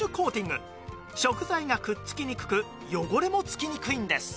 食材がくっつきにくく汚れもつきにくいんです